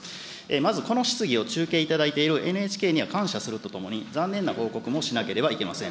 まずこの質疑を中継いただいているＮＨＫには感謝するとともに、残念な報告もしなければいけません。